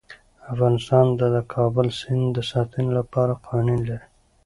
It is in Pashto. افغانستان د د کابل سیند د ساتنې لپاره قوانین لري.